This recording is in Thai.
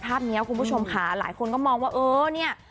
ภาพนี้คุณผู้ชมค่ะหลายคนก็มองว่าเออเนี่ย